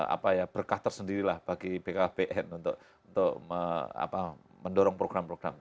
apa ya berkah tersendiri lah bagi bkkbn untuk mendorong program program